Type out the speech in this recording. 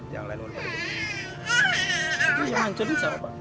yang lain udah dihubungi